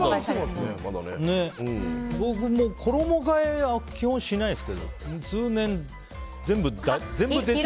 僕も衣替えは基本しないですけど通年全部出てる。